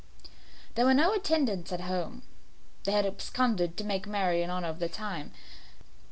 There were no attendants at home; they had absconded to make merry in honour of the time.